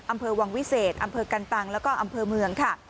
อำเภอวังวิเศษอำเภอกันตังแล้วก็อำเภอเมืองค่ะ